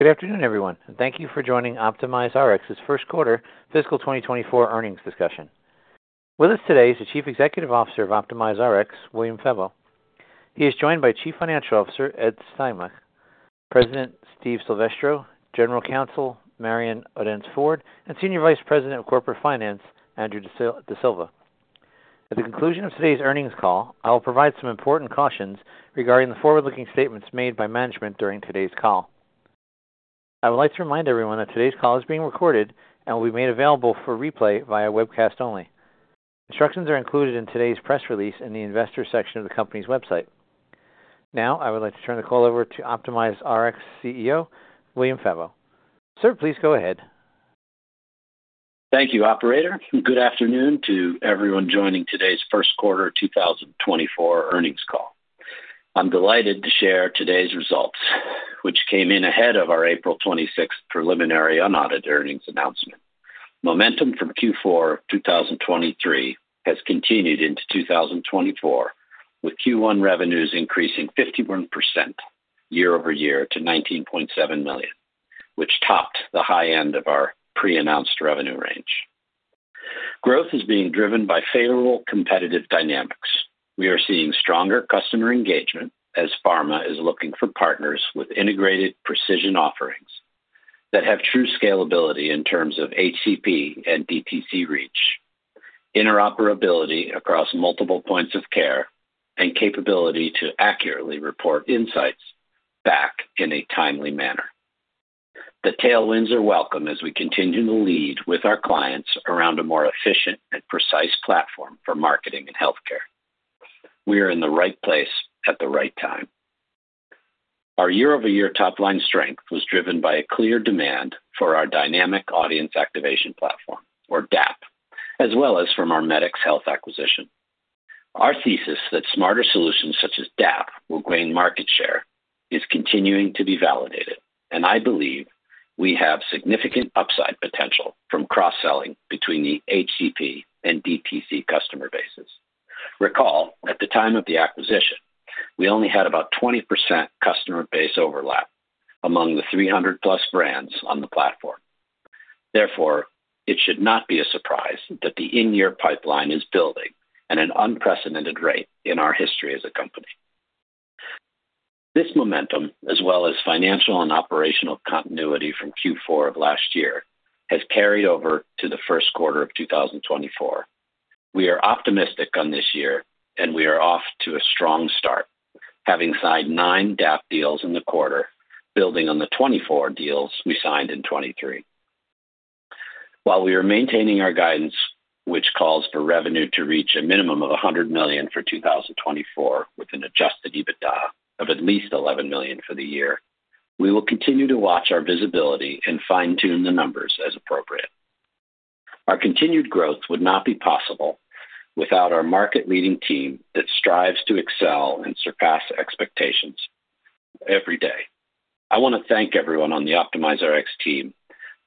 Good afternoon, everyone. Thank you for joining OptimizeRx's first quarter fiscal 2024 earnings discussion. With us today is the Chief Executive Officer of OptimizeRx, William Febbo. He is joined by Chief Financial Officer Ed Stelmakh, President Steve Silvestro, General Counsel Marion Odence-Ford, and Senior Vice President of Corporate Finance Andrew D'Silva. At the conclusion of today's earnings call, I will provide some important cautions regarding the forward-looking statements made by management during today's call. I would like to remind everyone that today's call is being recorded and will be made available for replay via webcast only. Instructions are included in today's press release in the investor section of the company's website. Now I would like to turn the call over to OptimizeRx CEO William Febbo. Sir, please go ahead. Thank you, Operator. Good afternoon to everyone joining today's first quarter 2024 earnings call. I'm delighted to share today's results, which came in ahead of our April 26th preliminary unaudited earnings announcement. Momentum from Q4 of 2023 has continued into 2024, with Q1 revenues increasing 51% year-over-year to $19.7 million, which topped the high end of our pre-announced revenue range. Growth is being driven by favorable competitive dynamics. We are seeing stronger customer engagement as pharma is looking for partners with integrated precision offerings that have true scalability in terms of HCP and DTC reach, interoperability across multiple points of care, and capability to accurately report insights back in a timely manner. The tailwinds are welcome as we continue to lead with our clients around a more efficient and precise platform for marketing and healthcare. We are in the right place at the right time. Our year-over-year top-line strength was driven by a clear demand for our Dynamic Audience Activation Platform, or DAP, as well as from our Medicx Health acquisition. Our thesis that smarter solutions such as DAP will gain market share is continuing to be validated, and I believe we have significant upside potential from cross-selling between the HCP and DTC customer bases. Recall, at the time of the acquisition, we only had about 20% customer base overlap among the 300+ brands on the platform. Therefore, it should not be a surprise that the in-year pipeline is building at an unprecedented rate in our history as a company. This momentum, as well as financial and operational continuity from Q4 of last year, has carried over to the first quarter of 2024. We are optimistic on this year, and we are off to a strong start, having signed nine DAP deals in the quarter, building on the 24 deals we signed in 2023. While we are maintaining our guidance, which calls for revenue to reach a minimum of $100 million for 2024 with an Adjusted EBITDA of at least $11 million for the year, we will continue to watch our visibility and fine-tune the numbers as appropriate. Our continued growth would not be possible without our market-leading team that strives to excel and surpass expectations every day. I want to thank everyone on the OptimizeRx team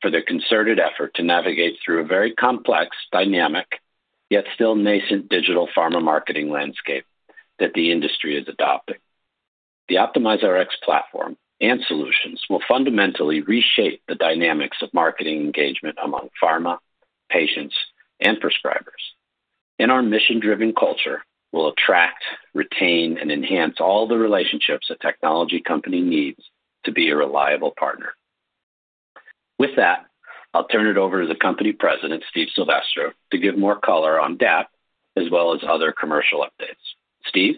for their concerted effort to navigate through a very complex, dynamic, yet still nascent digital pharma marketing landscape that the industry is adopting. The OptimizeRx platform and solutions will fundamentally reshape the dynamics of marketing engagement among pharma, patients, and prescribers. Our mission-driven culture will attract, retain, and enhance all the relationships a technology company needs to be a reliable partner. With that, I'll turn it over to the Company President, Steve Silvestro, to give more color on DAP as well as other commercial updates. Steve?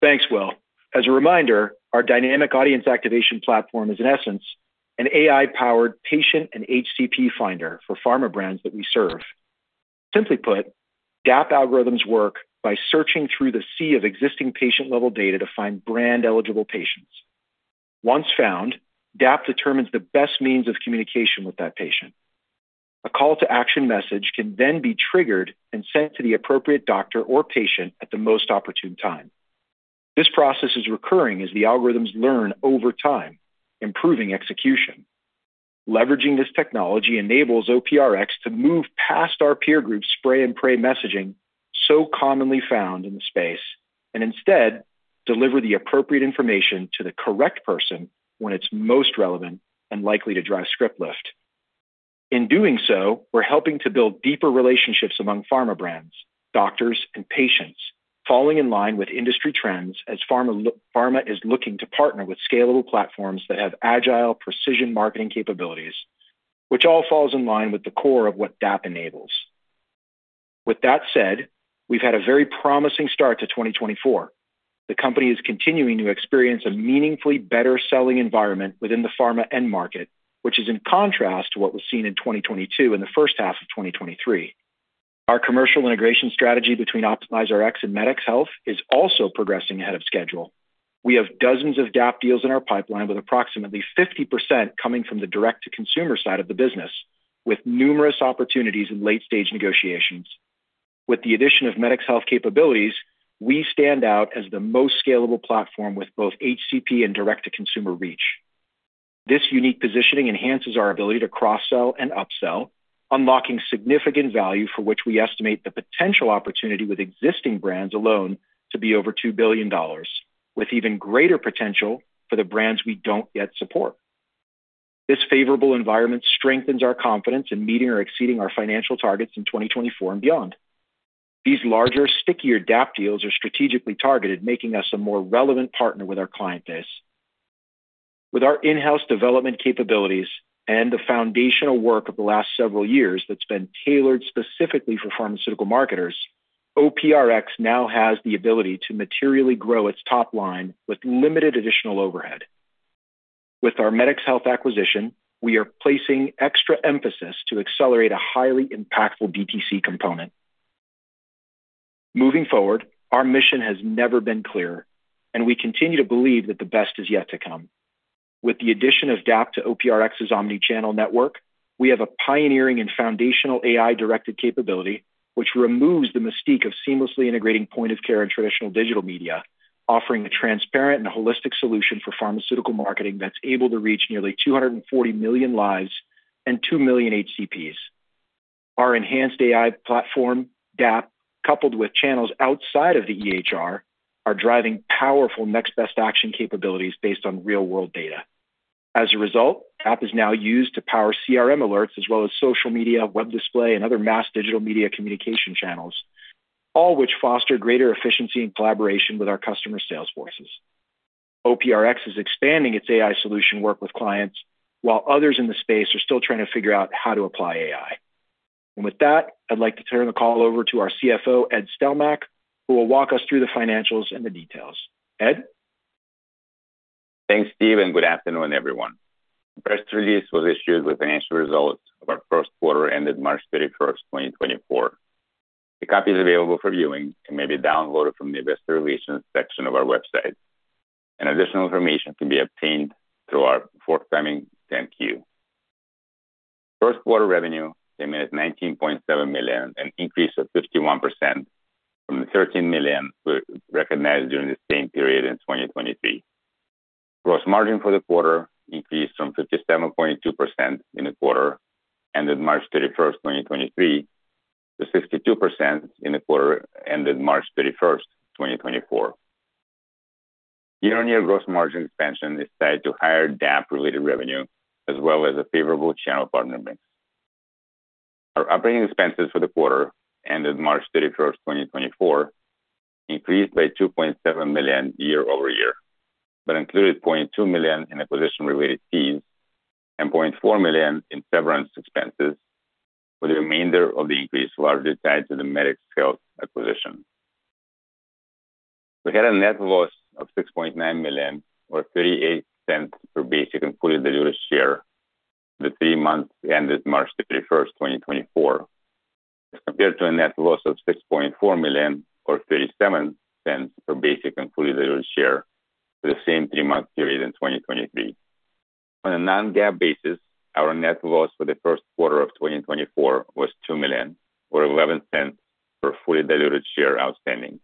Thanks, Will. As a reminder, our Dynamic Audience Activation Platform is, in essence, an AI-powered patient and HCP finder for pharma brands that we serve. Simply put, DAP algorithms work by searching through the sea of existing patient-level data to find brand-eligible patients. Once found, DAP determines the best means of communication with that patient. A call-to-action message can then be triggered and sent to the appropriate doctor or patient at the most opportune time. This process is recurring as the algorithms learn over time, improving execution. Leveraging this technology enables OPRX to move past our peer group's spray-and-pray messaging so commonly found in the space and instead deliver the appropriate information to the correct person when it's most relevant and likely to drive script lift. In doing so, we're helping to build deeper relationships among pharma brands, doctors, and patients, falling in line with industry trends as pharma is looking to partner with scalable platforms that have agile, precision marketing capabilities, which all falls in line with the core of what DAP enables. With that said, we've had a very promising start to 2024. The company is continuing to experience a meaningfully better-selling environment within the pharma end market, which is in contrast to what was seen in 2022 in the first half of 2023. Our commercial integration strategy between OptimizeRx and Medicx Health is also progressing ahead of schedule. We have dozens of DAP deals in our pipeline, with approximately 50% coming from the direct-to-consumer side of the business, with numerous opportunities in late-stage negotiations. With the addition of Medicx Health capabilities, we stand out as the most scalable platform with both HCP and direct-to-consumer reach. This unique positioning enhances our ability to cross-sell and upsell, unlocking significant value for which we estimate the potential opportunity with existing brands alone to be over $2 billion, with even greater potential for the brands we don't yet support. This favorable environment strengthens our confidence in meeting or exceeding our financial targets in 2024 and beyond. These larger, stickier DAP deals are strategically targeted, making us a more relevant partner with our client base. With our in-house development capabilities and the foundational work of the last several years that's been tailored specifically for pharmaceutical marketers, OPRX now has the ability to materially grow its top line with limited additional overhead. With our Medicx Health acquisition, we are placing extra emphasis to accelerate a highly impactful DTC component. Moving forward, our mission has never been clear, and we continue to believe that the best is yet to come. With the addition of DAP to OPRX's omnichannel network, we have a pioneering and foundational AI-directed capability, which removes the mystique of seamlessly integrating point-of-care and traditional digital media, offering a transparent and holistic solution for pharmaceutical marketing that's able to reach nearly 240 million lives and two million HCPs. Our enhanced AI platform, DAP, coupled with channels outside of the EHR, are driving powerful next-best-action capabilities based on real-world data. As a result, DAP is now used to power CRM alerts as well as social media, web display, and other mass digital media communication channels, all which foster greater efficiency and collaboration with our customer salesforces. OPRX is expanding its AI solution work with clients while others in the space are still trying to figure out how to apply AI. And with that, I'd like to turn the call over to our CFO, Ed Stelmakh, who will walk us through the financials and the details. Ed? Thanks, Steve, and good afternoon, everyone. The press release was issued with financial results of our first quarter ended March 31st, 2024. The copy is available for viewing and may be downloaded from the investor relations section of our website, and additional information can be obtained through our forthcoming 10-Q. First-quarter revenue came in at $19.7 million, an increase of 51% from the $13 million recognized during the same period in 2023. Gross margin for the quarter increased from 57.2% in the quarter ended March 31st, 2023, to 62% in the quarter ended March 31st, 2024. Year-on-year gross margin expansion is tied to higher DAP-related revenue as well as a favorable channel partner mix. Our operating expenses for the quarter ended March 31st, 2024, increased by $2.7 million year over year, but included $0.2 million in acquisition-related fees and $0.4 million in severance expenses, with the remainder of the increase largely tied to the Medicx Health acquisition. We had a net loss of $6.9 million, or $0.38 per basic and fully diluted share for the three months ended March 31st, 2024, as compared to a net loss of $6.4 million, or $0.37 per basic and fully diluted share for the same three-month period in 2023. On a non-GAAP basis, our net loss for the first quarter of 2024 was $2 million, or $0.11 per fully diluted share outstanding,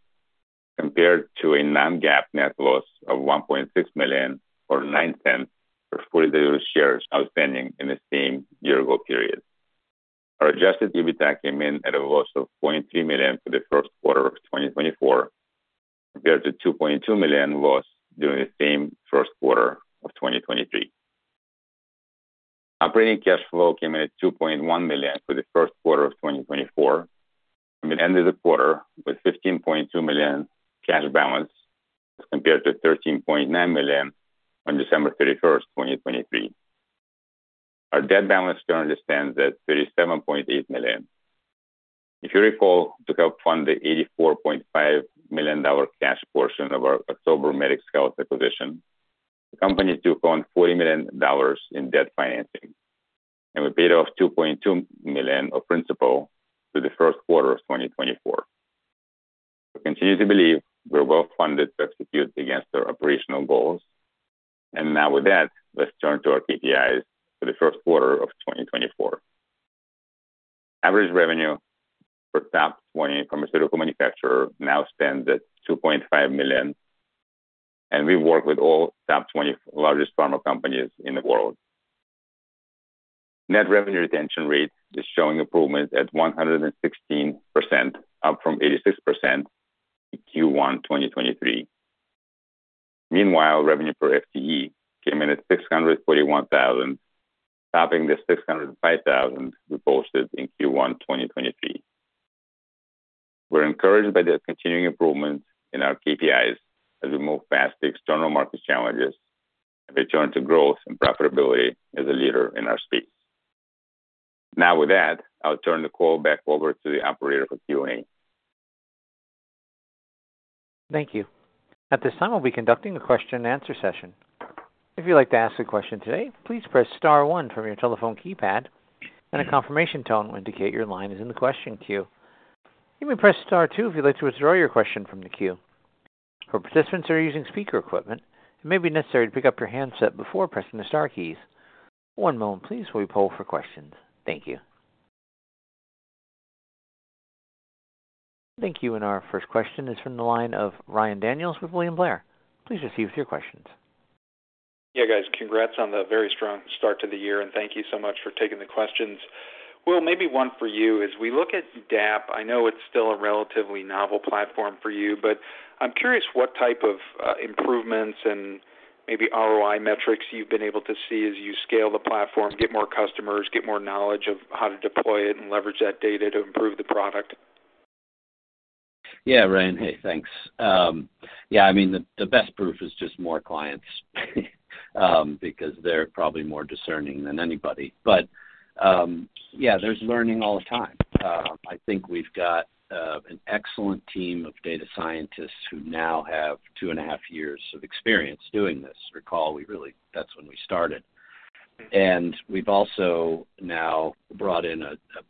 compared to a non-GAAP net loss of $1.6 million, or $0.09 per fully diluted share outstanding in the same year-ago period. Our adjusted EBITDA came in at a loss of $0.3 million for the first quarter of 2024, compared to $2.2 million loss during the same first quarter of 2023. Operating cash flow came in at $2.1 million for the first quarter of 2024, and we ended the quarter with $15.2 million cash balance as compared to $13.9 million on December 31st, 2023. Our debt balance currently stands at $37.8 million. If you recall, to help fund the $84.5 million cash portion of our October Medicx Health acquisition, the company took on $40 million in debt financing, and we paid off $2.2 million of principal for the first quarter of 2024. We continue to believe we're well-funded to execute against our operational goals. And now with that, let's turn to our KPIs for the first quarter of 2024. Average revenue for top 20 pharmaceutical manufacturers now stands at $2.5 million, and we work with all top 20 largest pharma companies in the world. Net revenue retention rate is showing improvements at 116%, up from 86% in Q1 2023. Meanwhile, revenue per FTE came in at $641,000, topping the $605,000 we posted in Q1 2023. We're encouraged by the continuing improvements in our KPIs as we move past the external market challenges and return to growth and profitability as a leader in our space. Now with that, I'll turn the call back over to the operator for Q&A. Thank you. At this time, we'll be conducting a question-and-answer session. If you'd like to ask a question today, please press star one from your telephone keypad, and a confirmation tone will indicate your line is in the question queue. You may press star two if you'd like to withdraw your question from the queue. For participants who are using speaker equipment, it may be necessary to pick up your handset before pressing the star keys. One moment, please, while we poll for questions. Thank you. Thank you. Our first question is from the line of Ryan Daniels with William Blair. Please proceed with your question. Yeah, guys. Congrats on the very strong start to the year, and thank you so much for taking the questions. Will, maybe one for you is, as we look at DAP, I know it's still a relatively novel platform for you, but I'm curious what type of improvements and maybe ROI metrics you've been able to see as you scale the platform, get more customers, get more knowledge of how to deploy it and leverage that data to improve the product. Yeah, Ryan. Hey, thanks. Yeah, I mean, the best proof is just more clients because they're probably more discerning than anybody. But yeah, there's learning all the time. I think we've got an excellent team of data scientists who now have 2.5 years of experience doing this. Recall, that's when we started. And we've also now brought in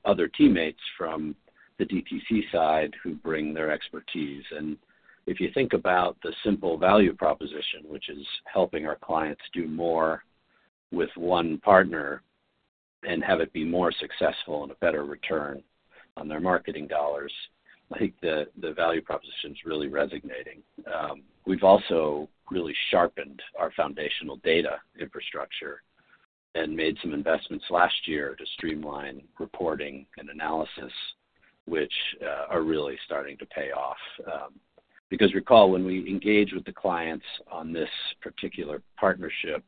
other teammates from the DTC side who bring their expertise. And if you think about the simple value proposition, which is helping our clients do more with one partner and have it be more successful and a better return on their marketing dollars, I think the value proposition's really resonating. We've also really sharpened our foundational data infrastructure and made some investments last year to streamline reporting and analysis, which are really starting to pay off. Because recall, when we engage with the clients on this particular partnership,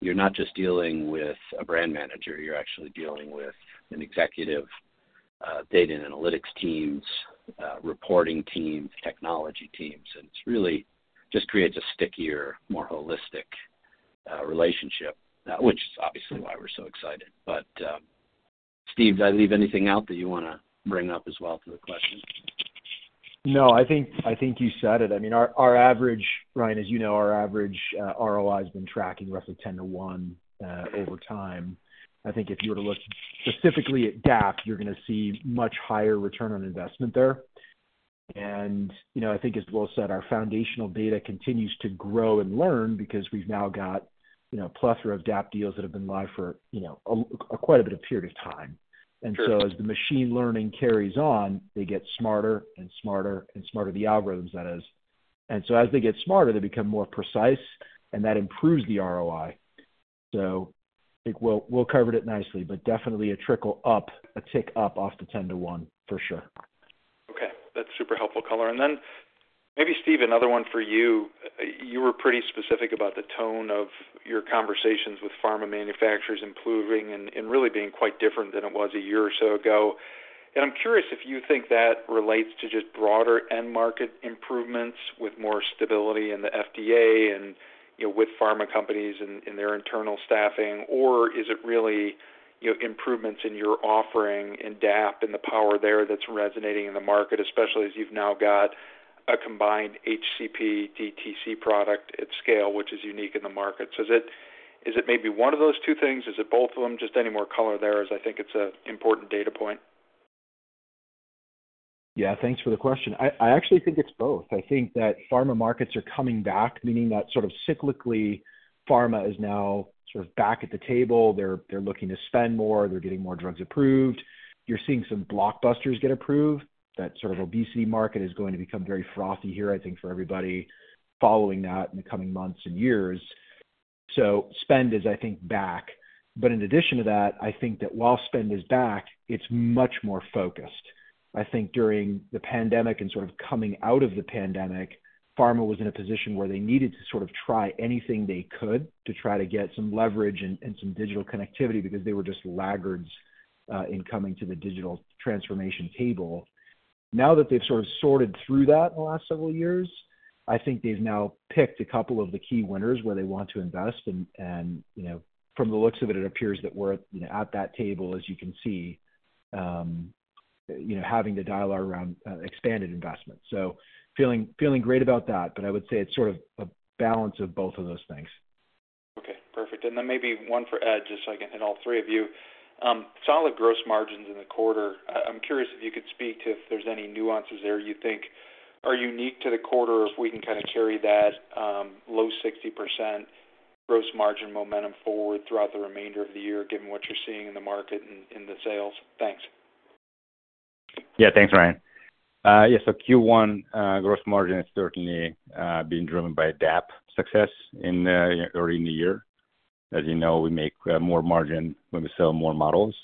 you're not just dealing with a brand manager. You're actually dealing with an executive, data and analytics teams, reporting teams, technology teams. And it really just creates a stickier, more holistic relationship, which is obviously why we're so excited. But Steve, did I leave anything out that you want to bring up as well to the question? No, I think you said it. I mean, Ryan, as you know, our average ROIs been tracking roughly 10/1 over time. I think if you were to look specifically at DAP, you're going to see much higher return on investment there. And I think, as Will said, our foundational data continues to grow and learn because we've now got a plethora of DAP deals that have been live for quite a bit of period of time. And so as the machine learning carries on, they get smarter and smarter and smarter the algorithms, that is. And so as they get smarter, they become more precise, and that improves the ROI. So I think Will covered it nicely, but definitely a trickle up, a tick up off the 10/1 for sure. Okay. That's super helpful, color. And then maybe, Steve, another one for you. You were pretty specific about the tone of your conversations with pharma manufacturers improving and really being quite different than it was a year or so ago. And I'm curious if you think that relates to just broader end-market improvements with more stability in the FDA and with pharma companies in their internal staffing, or is it really improvements in your offering in DAP and the power there that's resonating in the market, especially as you've now got a combined HCP/DTC product at scale, which is unique in the market? So is it maybe one of those two things? Is it both of them? Just any more color there as I think it's an important data point. Yeah, thanks for the question. I actually think it's both. I think that pharma markets are coming back, meaning that sort of cyclically, pharma is now sort of back at the table. They're looking to spend more. They're getting more drugs approved. You're seeing some blockbusters get approved. That sort of obesity market is going to become very frothy here, I think, for everybody following that in the coming months and years. So spend is, I think, back. But in addition to that, I think that while spend is back, it's much more focused. I think during the pandemic and sort of coming out of the pandemic, pharma was in a position where they needed to sort of try anything they could to try to get some leverage and some digital connectivity because they were just laggards in coming to the digital transformation table. Now that they've sort of sorted through that in the last several years, I think they've now picked a couple of the key winners where they want to invest. And from the looks of it, it appears that we're at that table, as you can see, having to dial around expanded investments. So feeling great about that, but I would say it's sort of a balance of both of those things. Okay. Perfect. And then maybe one for Ed, just so I can hit all three of you. Solid gross margins in the quarter. I'm curious if you could speak to if there's any nuances there you think are unique to the quarter, if we can kind of carry that low 60% gross margin momentum forward throughout the remainder of the year, given what you're seeing in the market and in the sales. Thanks. Yeah, thanks, Ryan. Yeah, so Q1 gross margin is certainly being driven by DAP success early in the year. As you know, we make more margin when we sell more models.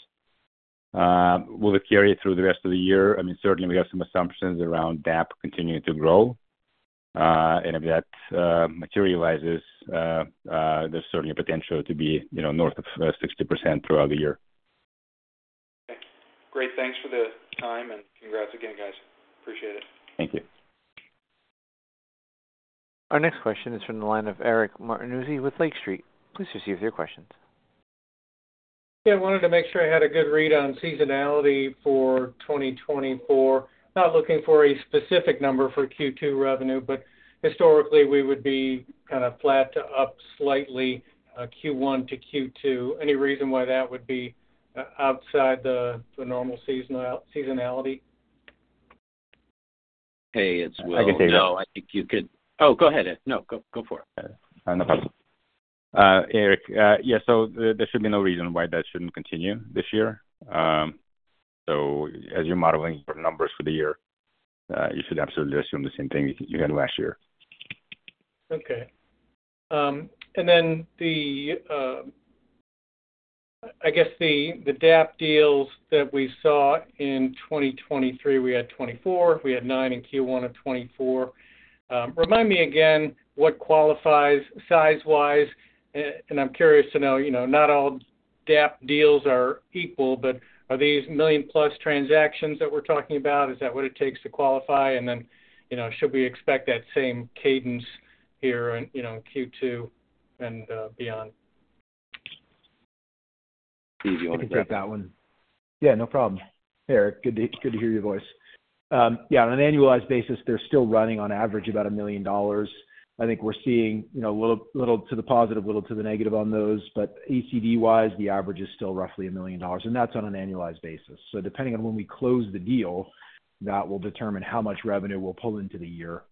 Will it carry through the rest of the year? I mean, certainly, we have some assumptions around DAP continuing to grow. If that materializes, there's certainly potential to be north of 60% throughout the year. Okay. Great. Thanks for the time, and congrats again, guys. Appreciate it. Thank you. Our next question is from the line of Eric Martinuzzi with Lake Street. Please receive your questions. Yeah, I wanted to make sure I had a good read on seasonality for 2024. Not looking for a specific number for Q2 revenue, but historically, we would be kind of flat to up slightly Q1 to Q2. Any reason why that would be outside the normal seasonality? Hey, it's Will. I can take it. No, I think you could. Oh, go ahead, Ed. No, go for it. Yeah, no problem. Eric, yeah, so there should be no reason why that shouldn't continue this year. So as you're modeling your numbers for the year, you should absolutely assume the same thing you had last year. Okay. And then I guess the DAP deals that we saw in 2023, we had 24. We had 9 in Q1 of 2024. Remind me again what qualifies size-wise. And I'm curious to know, not all DAP deals are equal, but are these million-plus transactions that we're talking about? Is that what it takes to qualify? And then should we expect that same cadence here in Q2 and beyond? Steve, you want to take that one? Yeah, no problem. Eric, good to hear your voice. Yeah, on an annualized basis, they're still running on average about $1 million. I think we're seeing a little to the positive, a little to the negative on those. But ACV-wise, the average is still roughly $1 million, and that's on an annualized basis. So depending on when we close the deal, that will determine how much revenue we'll pull into the year.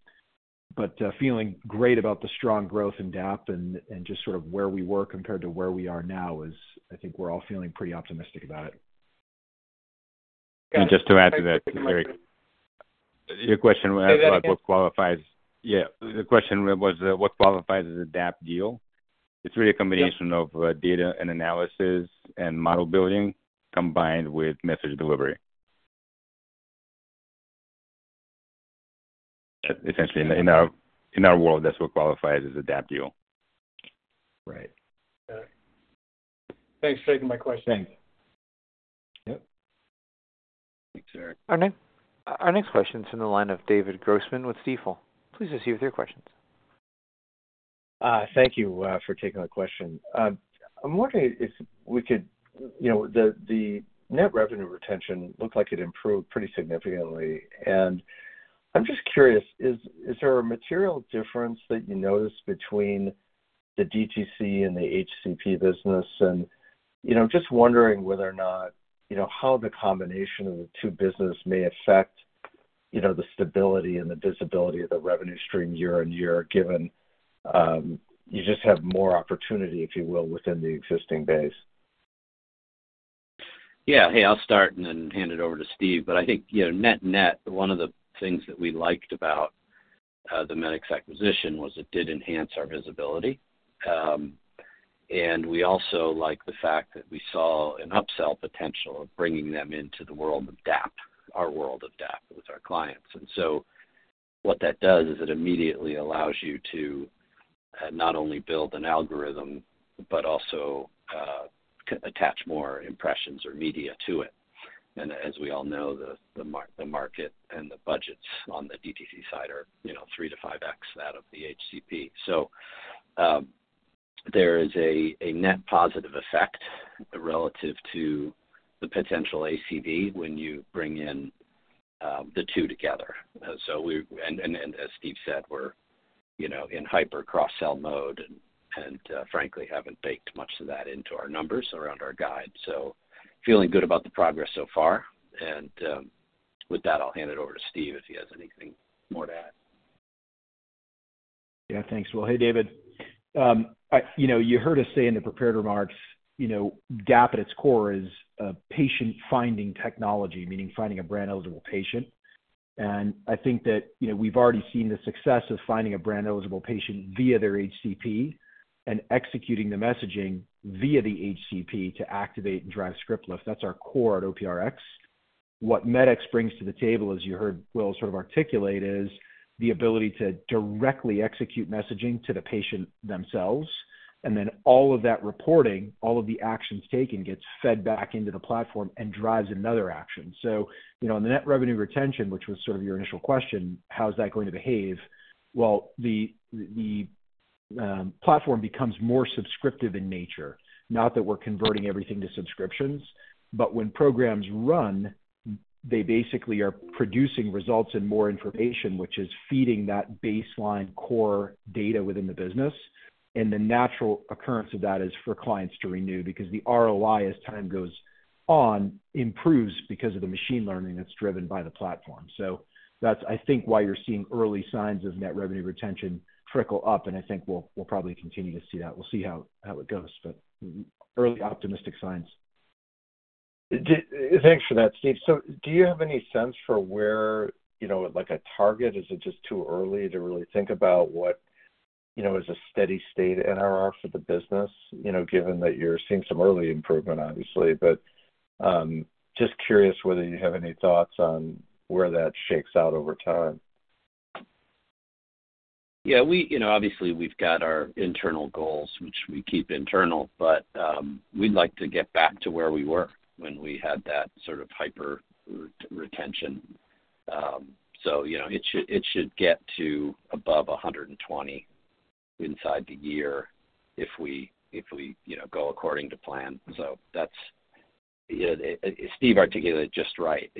But feeling great about the strong growth in DAP and just sort of where we were compared to where we are now is I think we're all feeling pretty optimistic about it. And just to add to that, Eric, your question about what qualifies, yeah, the question was what qualifies as a DAP deal. It's really a combination of data and analysis and model building combined with message delivery. Essentially, in our world, that's what qualifies as a DAP deal. Right. Thanks for taking my question. Thanks. Yep. Thanks, Eric. Our next question's from the line of David Grossman with Stifel. Please receive your questions. Thank you for taking the question. I'm wondering if we could the net revenue retention looked like it improved pretty significantly. I'm just curious, is there a material difference that you noticed between the DTC and the HCP business? Just wondering whether or not how the combination of the two businesses may affect the stability and the visibility of the revenue stream year on year, given you just have more opportunity, if you will, within the existing base. Yeah. Hey, I'll start and then hand it over to Steve. But I think net-net, one of the things that we liked about the Medicx acquisition was it did enhance our visibility. And we also like the fact that we saw an upsell potential of bringing them into the world of DAP, our world of DAP, with our clients. And so what that does is it immediately allows you to not only build an algorithm but also attach more impressions or media to it. And as we all know, the market and the budgets on the DTC side are 3-5x that of the HCP. So there is a net positive effect relative to the potential ACV when you bring in the two together. And as Steve said, we're in hyper-cross-sell mode and, frankly, haven't baked much of that into our numbers around our guide. Feeling good about the progress so far. With that, I'll hand it over to Steve if he has anything more to add. Yeah, thanks, Will. Hey, David. You heard us say in the prepared remarks, DAP at its core is a patient-finding technology, meaning finding a brand-eligible patient. And I think that we've already seen the success of finding a brand-eligible patient via their HCP and executing the messaging via the HCP to activate and drive script lift. That's our core at OPRX. What Medicx brings to the table, as you heard Will sort of articulate, is the ability to directly execute messaging to the patient themselves. And then all of that reporting, all of the actions taken, gets fed back into the platform and drives another action. So on the net revenue retention, which was sort of your initial question, how's that going to behave? Well, the platform becomes more subscriptive in nature. Not that we're converting everything to subscriptions, but when programs run, they basically are producing results and more information, which is feeding that baseline core data within the business. And the natural occurrence of that is for clients to renew because the ROI, as time goes on, improves because of the machine learning that's driven by the platform. So that's, I think, why you're seeing early signs of net revenue retention trickle up. And I think we'll probably continue to see that. We'll see how it goes, but early optimistic signs. Thanks for that, Steve. So do you have any sense for where a target? Is it just too early to really think about what is a steady state NRR for the business, given that you're seeing some early improvement, obviously? But just curious whether you have any thoughts on where that shakes out over time. Yeah, obviously, we've got our internal goals, which we keep internal, but we'd like to get back to where we were when we had that sort of hyper-retention. So it should get to above 120 inside the year if we go according to plan. So Steve articulated it just right.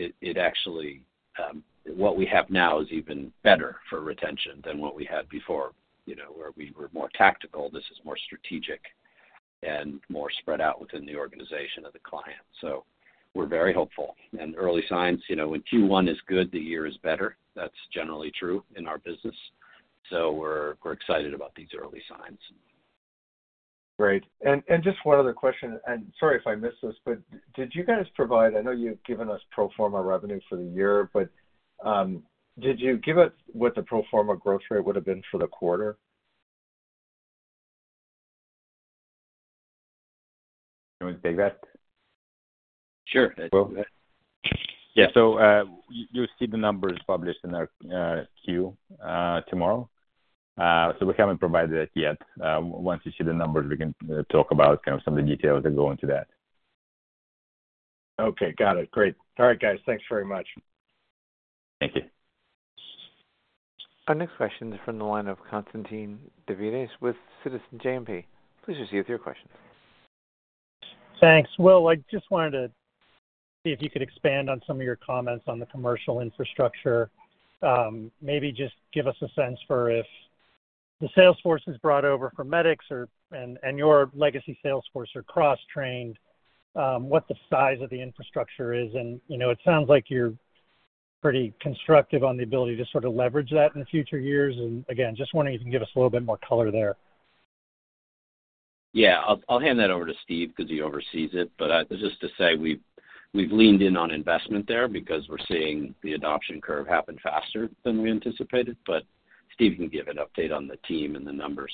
What we have now is even better for retention than what we had before, where we were more tactical. This is more strategic and more spread out within the organization of the client. So we're very hopeful. And early signs, when Q1 is good, the year is better. That's generally true in our business. So we're excited about these early signs. Great. Just one other question. Sorry if I missed this, but did you guys provide? I know you've given us pro forma revenue for the year, but did you give us what the pro forma growth rate would have been for the quarter? You want me to take that? Sure. Will? Yeah, so you'll see the numbers published in our queue tomorrow. So we haven't provided that yet. Once you see the numbers, we can talk about kind of some of the details that go into that. Okay. Got it. Great. All right, guys. Thanks very much. Thank you. Our next question is from the line of Constantine Davides with Citizens JMP. Please receive your questions. Thanks, Will. I just wanted to see if you could expand on some of your comments on the commercial infrastructure. Maybe just give us a sense for if the sales force is brought over from Medicx and your legacy sales force are cross-trained, what the size of the infrastructure is. And it sounds like you're pretty constructive on the ability to sort of leverage that in future years. And again, just wondering if you can give us a little bit more color there. Yeah, I'll hand that over to Steve because he oversees it. But just to say, we've leaned in on investment there because we're seeing the adoption curve happen faster than we anticipated. But Steve can give an update on the team and the numbers.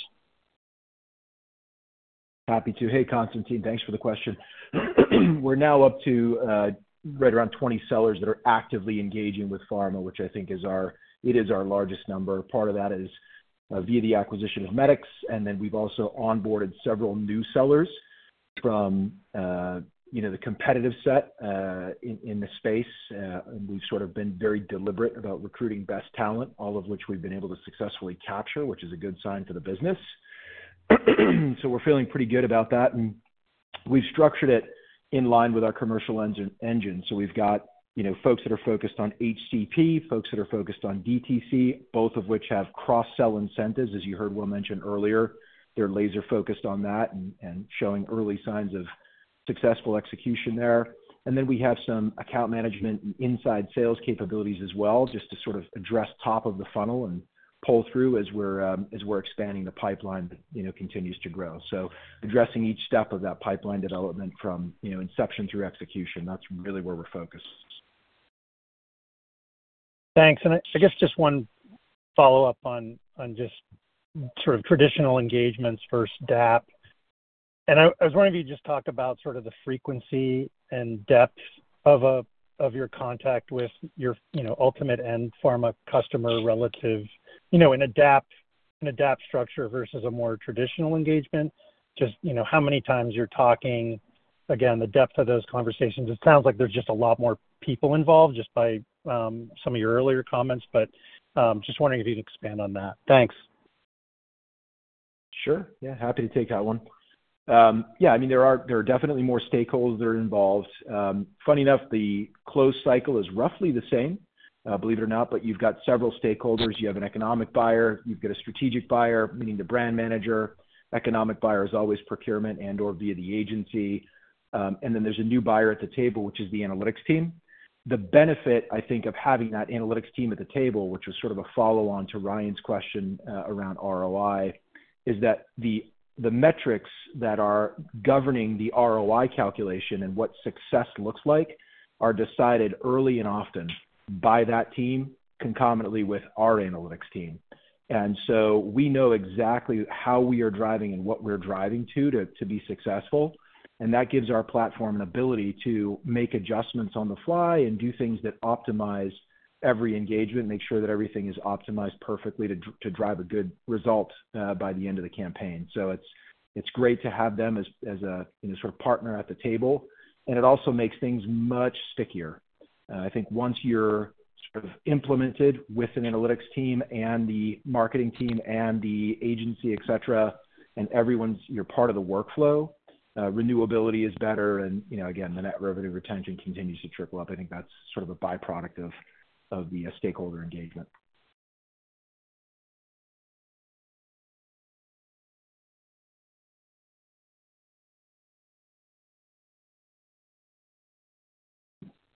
Happy to. Hey, Constantine, thanks for the question. We're now up to right around 20 sellers that are actively engaging with pharma, which I think is our. It is our largest number. Part of that is via the acquisition of Medicx. And then we've also onboarded several new sellers from the competitive set in the space. And we've sort of been very deliberate about recruiting best talent, all of which we've been able to successfully capture, which is a good sign for the business. So we're feeling pretty good about that. And we've structured it in line with our commercial engine. So we've got folks that are focused on HCP, folks that are focused on DTC, both of which have cross-sell incentives, as you heard Will mention earlier. They're laser-focused on that and showing early signs of successful execution there. Then we have some account management and inside sales capabilities as well, just to sort of address top of the funnel and pull through as we're expanding, the pipeline continues to grow. Addressing each step of that pipeline development from inception through execution, that's really where we're focused. Thanks. And I guess just one follow-up on just sort of traditional engagements versus DAP. And I was wondering if you just talked about sort of the frequency and depth of your contact with your ultimate end pharma customer relative in a DAP structure versus a more traditional engagement, just how many times you're talking. Again, the depth of those conversations. It sounds like there's just a lot more people involved just by some of your earlier comments. But just wondering if you could expand on that. Thanks. Sure. Yeah, happy to take that one. Yeah, I mean, there are definitely more stakeholders that are involved. Funny enough, the close cycle is roughly the same, believe it or not, but you've got several stakeholders. You have an economic buyer. You've got a strategic buyer, meaning the brand manager. Economic buyer is always procurement and/or via the agency. And then there's a new buyer at the table, which is the analytics team. The benefit, I think, of having that analytics team at the table, which was sort of a follow-on to Ryan's question around ROI, is that the metrics that are governing the ROI calculation and what success looks like are decided early and often by that team, concomitantly with our analytics team. And so we know exactly how we are driving and what we're driving to to be successful. And that gives our platform an ability to make adjustments on the fly and do things that optimize every engagement, make sure that everything is optimized perfectly to drive a good result by the end of the campaign. So it's great to have them as a sort of partner at the table. And it also makes things much stickier. I think once you're sort of implemented with an analytics team and the marketing team and the agency, etc., and you're part of the workflow, renewability is better. And again, the net revenue retention continues to trickle up. I think that's sort of a byproduct of the stakeholder engagement.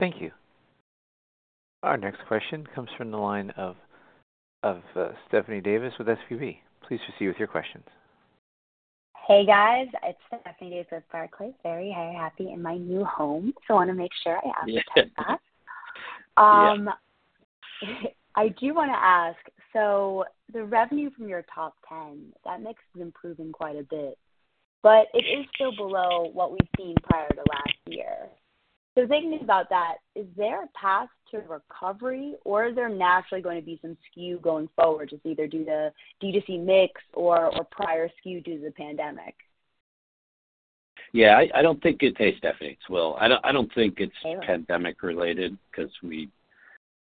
Thank you. Our next question comes from the line of Stephanie Davis with SVB. Please proceed with your questions. Hey, guys. It's Stephanie Davis with Barclays. Very, very happy in my new home. So I want to make sure I ask the top facts. I do want to ask, so the revenue from your top 10, that mix is improving quite a bit, but it is still below what we've seen prior to last year. So thinking about that, is there a path to recovery, or is there naturally going to be some skew going forward, just either due to DTC mix or prior skew due to the pandemic? Yeah, I don't think it, hey, Stephanie, it's Will. I don't think it's pandemic-related because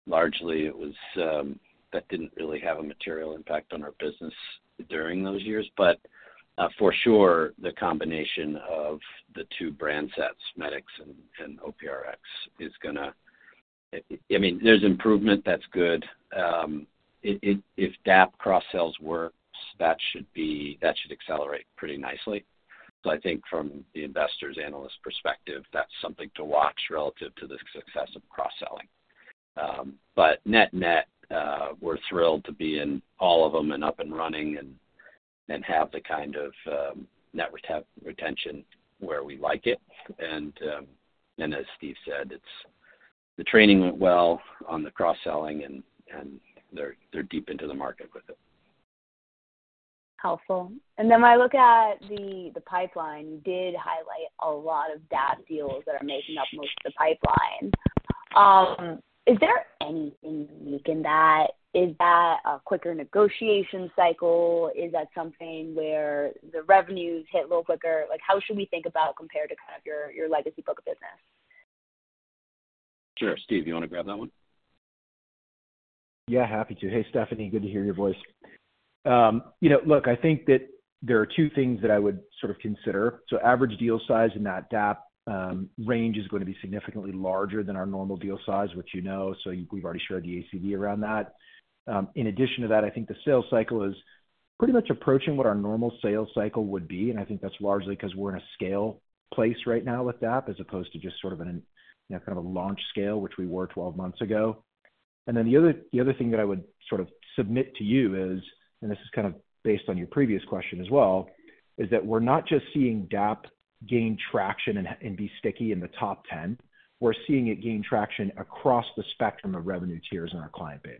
largely, that didn't really have a material impact on our business during those years. But for sure, the combination of the two brand sets, Medicx and OPRX, is going to, I mean, there's improvement. That's good. If DAP cross-sells works, that should accelerate pretty nicely. So I think from the investors' analyst perspective, that's something to watch relative to the success of cross-selling. But net-net, we're thrilled to be in all of them and up and running and have the kind of net retention where we like it. And as Steve said, the training went well on the cross-selling, and they're deep into the market with it. Helpful. And then when I look at the pipeline, you did highlight a lot of DAP deals that are making up most of the pipeline. Is there anything unique in that? Is that a quicker negotiation cycle? Is that something where the revenues hit a little quicker? How should we think about compared to kind of your legacy book of business? Sure. Steve, you want to grab that one? Yeah, happy to. Hey, Stephanie, good to hear your voice. Look, I think that there are two things that I would sort of consider. Average deal size in that DAP range is going to be significantly larger than our normal deal size, which you know. We've already shared the ACV around that. In addition to that, I think the sales cycle is pretty much approaching what our normal sales cycle would be. I think that's largely because we're in a scale place right now with DAP as opposed to just sort of kind of a launch scale, which we were 12 months ago. Then the other thing that I would sort of submit to you is, and this is kind of based on your previous question as well, that we're not just seeing DAP gain traction and be sticky in the top 10. We're seeing it gain traction across the spectrum of revenue tiers in our client base.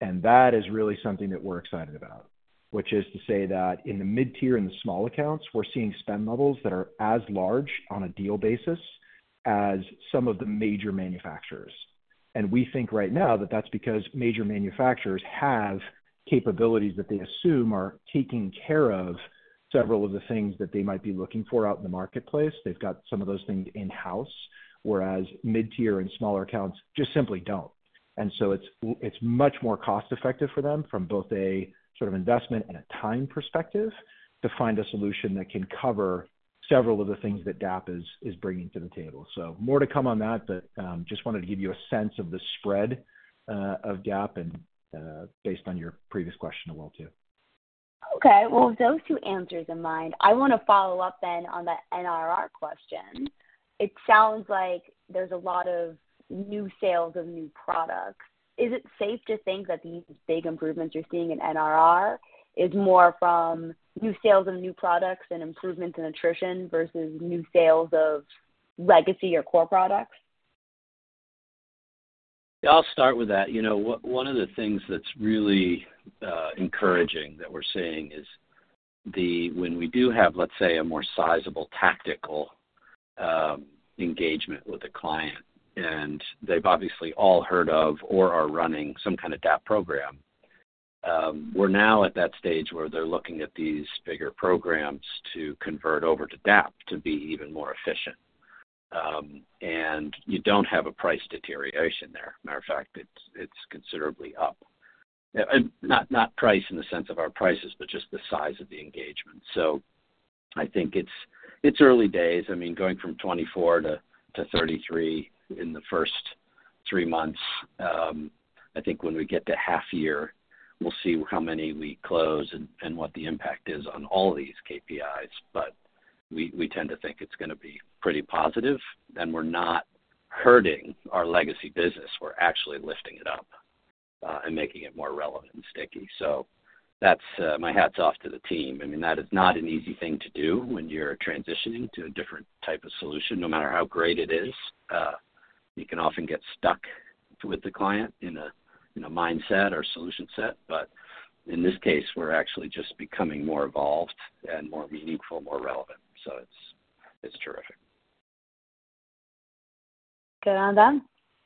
And that is really something that we're excited about, which is to say that in the mid-tier and the small accounts, we're seeing spend levels that are as large on a deal basis as some of the major manufacturers. And we think right now that that's because major manufacturers have capabilities that they assume are taking care of several of the things that they might be looking for out in the marketplace. They've got some of those things in-house, whereas mid-tier and smaller accounts just simply don't. And so it's much more cost-effective for them from both a sort of investment and a time perspective to find a solution that can cover several of the things that DAP is bringing to the table. So more to come on that, but just wanted to give you a sense of the spread of DAP based on your previous question to Will, too. Okay. Well, with those two answers in mind, I want to follow up then on the NRR question. It sounds like there's a lot of new sales of new products. Is it safe to think that these big improvements you're seeing in NRR is more from new sales of new products and improvements in attrition versus new sales of legacy or core products? Yeah, I'll start with that. One of the things that's really encouraging that we're seeing is when we do have, let's say, a more sizable tactical engagement with a client, and they've obviously all heard of or are running some kind of DAP program, we're now at that stage where they're looking at these bigger programs to convert over to DAP to be even more efficient. And you don't have a price deterioration there. Matter of fact, it's considerably up. Not price in the sense of our prices, but just the size of the engagement. So I think it's early days. I mean, going from 24-33 in the first three months. I think when we get to half-year, we'll see how many we close and what the impact is on all these KPIs. But we tend to think it's going to be pretty positive. We're not hurting our legacy business. We're actually lifting it up and making it more relevant and sticky. So my hat's off to the team. I mean, that is not an easy thing to do when you're transitioning to a different type of solution. No matter how great it is, you can often get stuck with the client in a mindset or solution set. But in this case, we're actually just becoming more evolved and more meaningful, more relevant. So it's terrific. Good on that.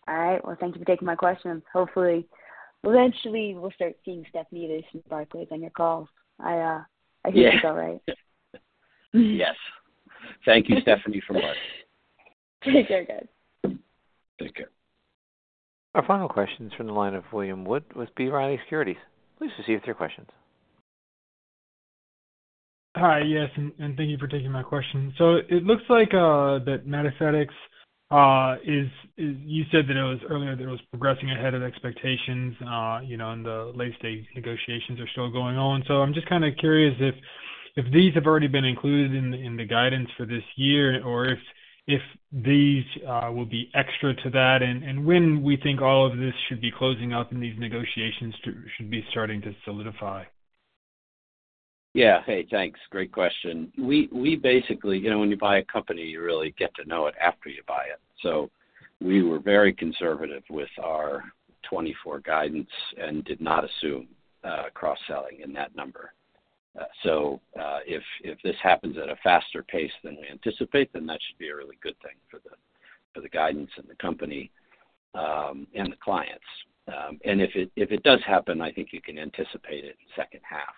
All right. Well, thank you for taking my questions. Hopefully, eventually, we'll start seeing Stephanie Davis from Barclays on your calls. I hope it's all right. Yes. Thank you, Stephanie, for much. Take care, guys. Take care. Our final question is from the line of William Wood with B. Riley Securities. Please receive your questions. Hi. Yes. Thank you for taking my question. So it looks like that Medicx is you said earlier that it was progressing ahead of expectations, and the late-stage negotiations are still going on. So I'm just kind of curious if these have already been included in the guidance for this year or if these will be extra to that and when we think all of this should be closing up and these negotiations should be starting to solidify. Yeah. Hey, thanks. Great question. When you buy a company, you really get to know it after you buy it. So we were very conservative with our 2024 guidance and did not assume cross-selling in that number. So if this happens at a faster pace than we anticipate, then that should be a really good thing for the guidance and the company and the clients. And if it does happen, I think you can anticipate it in the second half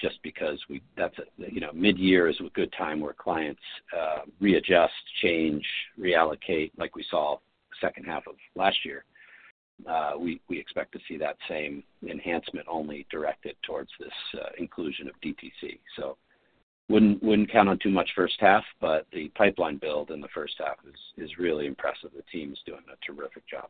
just because that's a mid-year is a good time where clients readjust, change, reallocate like we saw second half of last year. We expect to see that same enhancement only directed towards this inclusion of DTC. So wouldn't count on too much first half, but the pipeline build in the first half is really impressive. The team is doing a terrific job.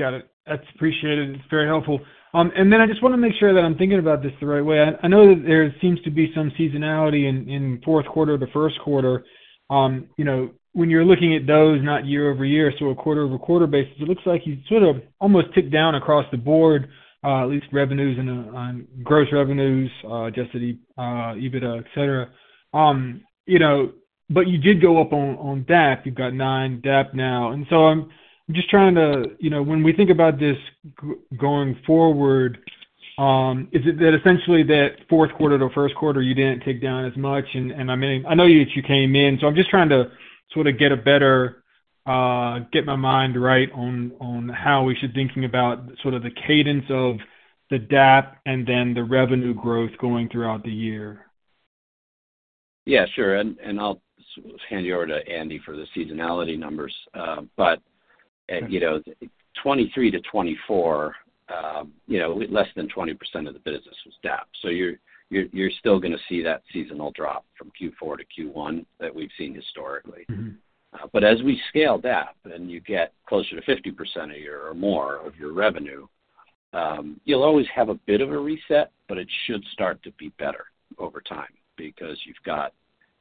Got it. That's appreciated. It's very helpful. And then I just want to make sure that I'm thinking about this the right way. I know that there seems to be some seasonality in fourth quarter to first quarter. When you're looking at those, not year-over-year, so a quarter-over-quarter basis, it looks like you sort of almost ticked down across the board, at least revenues and gross revenues, adjusted EBITDA, etc. But you did go up on DAP. You've got nine DAP now. And so I'm just trying to when we think about this going forward, is it essentially that fourth quarter to first quarter, you didn't tick down as much? And I know you came in. I'm just trying to sort of get a better get my mind right on how we should be thinking about sort of the cadence of the DAP and then the revenue growth going throughout the year. Yeah, sure. And I'll hand you over to Andy for the seasonality numbers. But 2023 to 2024, less than 20% of the business was DAP. So you're still going to see that seasonal drop from Q4 to Q1 that we've seen historically. But as we scale DAP and you get closer to 50% or more of your revenue, you'll always have a bit of a reset, but it should start to be better over time because you've got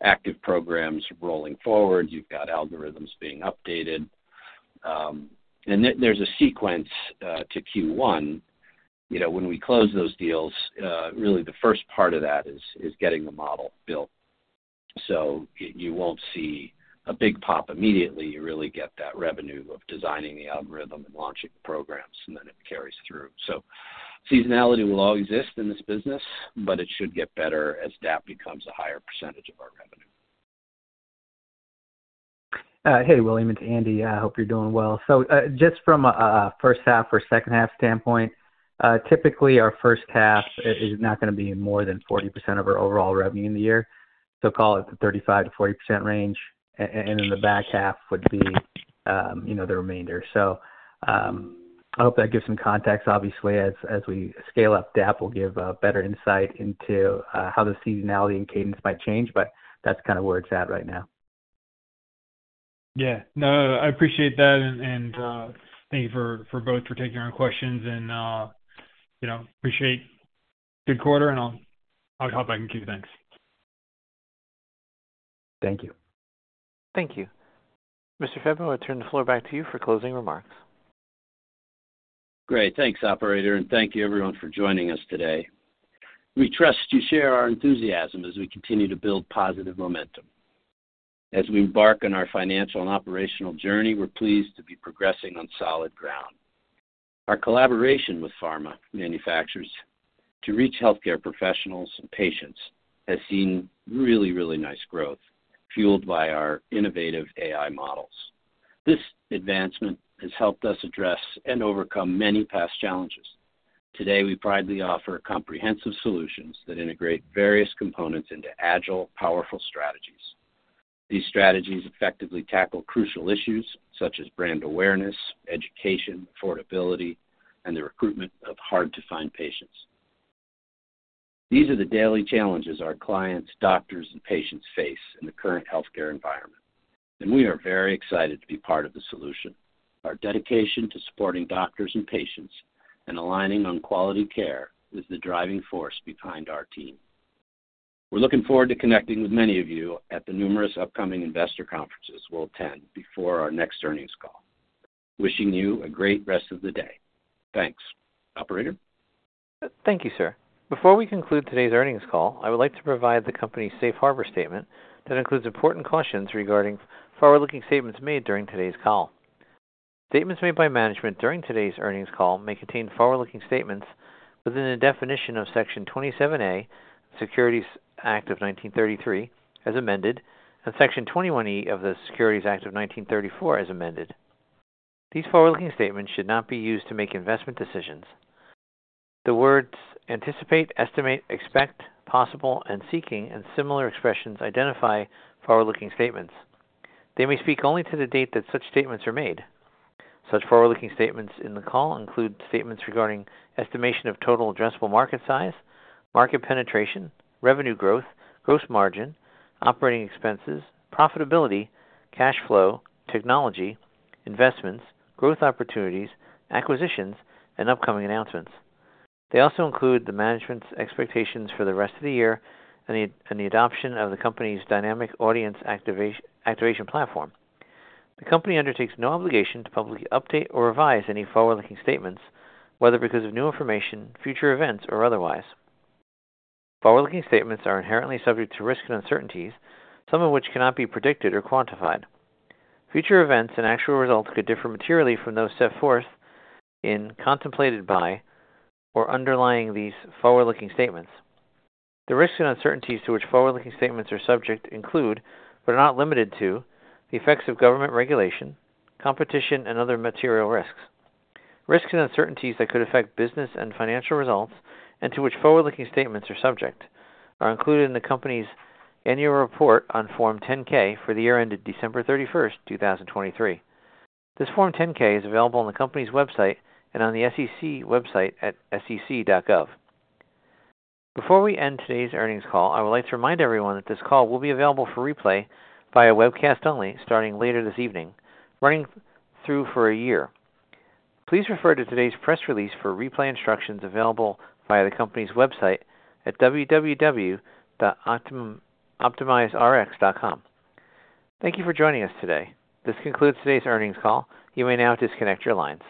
active programs rolling forward. You've got algorithms being updated. And there's a sequence to Q1. When we close those deals, really, the first part of that is getting the model built. So you won't see a big pop immediately. You really get that revenue of designing the algorithm and launching the programs, and then it carries through. So seasonality will all exist in this business, but it should get better as DAP becomes a higher percentage of our revenue. Hey, William. It's Andy. I hope you're doing well. So just from a first half or second half standpoint, typically, our first half is not going to be more than 40% of our overall revenue in the year. So call it the 35%-40% range. And then the back half would be the remainder. So I hope that gives some context. Obviously, as we scale up DAP, we'll give better insight into how the seasonality and cadence might change. But that's kind of where it's at right now. Yeah. No, I appreciate that. And thank you both for taking our questions. And appreciate good quarter, and I'll talk back and give you thanks. Thank you. Thank you. Mr. Febbo, I'll turn the floor back to you for closing remarks. Great. Thanks, operator. And thank you, everyone, for joining us today. We trust you share our enthusiasm as we continue to build positive momentum. As we embark on our financial and operational journey, we're pleased to be progressing on solid ground. Our collaboration with pharma manufacturers to reach healthcare professionals and patients has seen really, really nice growth fueled by our innovative AI models. This advancement has helped us address and overcome many past challenges. Today, we proudly offer comprehensive solutions that integrate various components into agile, powerful strategies. These strategies effectively tackle crucial issues such as brand awareness, education, affordability, and the recruitment of hard-to-find patients. These are the daily challenges our clients, doctors, and patients face in the current healthcare environment. And we are very excited to be part of the solution. Our dedication to supporting doctors and patients and aligning on quality care is the driving force behind our team. We're looking forward to connecting with many of you at the numerous upcoming investor conferences we'll attend before our next earnings call. Wishing you a great rest of the day. Thanks, operator. Thank you, sir. Before we conclude today's earnings call, I would like to provide the company's safe harbor statement that includes important cautions regarding forward-looking statements made during today's call. Statements made by management during today's earnings call may contain forward-looking statements within the definition of Section 27A of the Securities Act of 1933 as amended and Section 21E of the Securities Act of 1934 as amended. These forward-looking statements should not be used to make investment decisions. The words anticipate, estimate, expect, possible, and seeking and similar expressions identify forward-looking statements. They may speak only to the date that such statements are made. Such forward-looking statements in the call include statements regarding estimation of total addressable market size, market penetration, revenue growth, gross margin, operating expenses, profitability, cash flow, technology, investments, growth opportunities, acquisitions, and upcoming announcements. They also include the management's expectations for the rest of the year and the adoption of the company's Dynamic Audience Activation Platform. The company undertakes no obligation to publicly update or revise any forward-looking statements, whether because of new information, future events, or otherwise. Forward-looking statements are inherently subject to risk and uncertainties, some of which cannot be predicted or quantified. Future events and actual results could differ materially from those set forth and contemplated by or underlying these forward-looking statements. The risks and uncertainties to which forward-looking statements are subject include, but are not limited to, the effects of government regulation, competition, and other material risks. Risks and uncertainties that could affect business and financial results and to which forward-looking statements are subject are included in the company's annual report on Form 10-K for the year ended December 31st, 2023. This Form 10-K is available on the company's website and on the SEC website at sec.gov. Before we end today's earnings call, I would like to remind everyone that this call will be available for replay via webcast only starting later this evening, running through for a year. Please refer to today's press release for replay instructions available via the company's website at www.optimizerx.com. Thank you for joining us today. This concludes today's earnings call. You may now disconnect your lines.